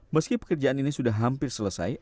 meski pekerjaan ini sudah hampir selesai